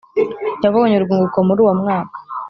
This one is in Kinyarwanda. Yabonye urwunguko muri uwo mwaka